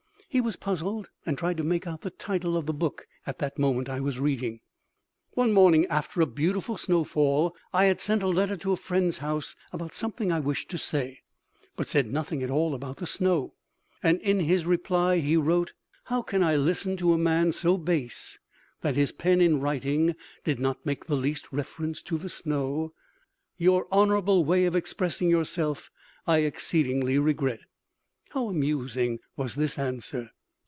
He was puzzled, and tried to make out the title of the book. At that moment I was reading: One morning after a beautiful snowfall I sent a letter to a friend's house about something I wished to say, but said nothing at all about the snow. And in his reply he wrote: "How can I listen to a man so base that his pen in writing did not make the least reference to the snow! Your honorable way of expressing yourself I exceedingly regret." How amusing was this answer!